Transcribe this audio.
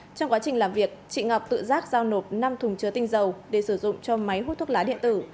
trong quá trình làm việc chị ngọc tự giác giao nộp năm thùng chứa tinh dầu để sử dụng cho máy hút thuốc lá điện tử